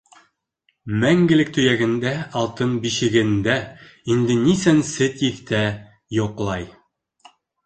Мәңгелек төйәгендә - алтын бишегендә инде нисәнсе тиҫтә йоҡлай.